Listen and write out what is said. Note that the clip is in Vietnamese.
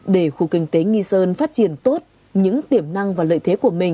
để khu kinh tế nghi sơn phát triển tốt những tiềm năng và lợi thế của mình